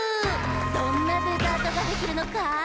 どんなデザートができるのか？